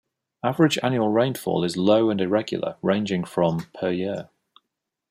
Average annual rainfall is low and irregular, ranging from per year.